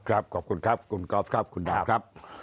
ครับขอบคุณครับคุณกรอฟครับคุณดับครับ